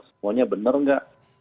semuanya benar nggak